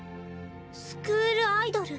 スクールアイドル。